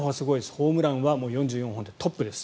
ホームランは４４本でトップです。